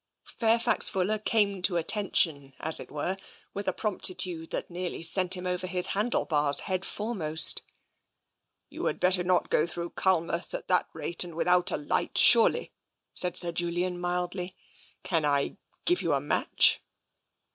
Fairfax Fuller came to attention, as it were, with a promptitude that nearly sent him over his handle bars head foremost. " You had better not go through Culmouth at that rate and without a light, surely?" said Sir Julian mildly. " Can I give you a match?